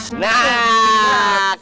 smile item belum ada